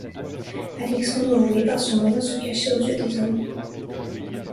Alexandre voulait par ce moyen se cacher aux yeux des hommes.